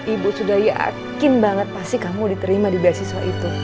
ibu sudah yakin banget pasti kamu diterima di beasiswa itu